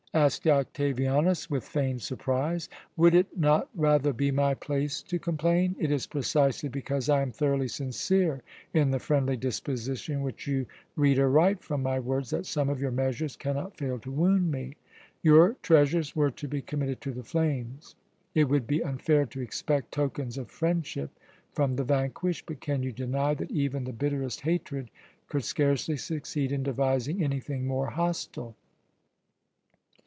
asked Octavianus with we feigned surprise. "Would it not rather be my place to complain? It is precisely because I am thoroughly sincere in the friendly disposition which you read aright from my words, that some of your measures cannot fail to wound me. Your treasures were to be committed to the flames. It would be unfair to expect tokens of friendship from the vanquished; but can you deny that even the bitterest hatred could scarcely succeed in devising anything more hostile?"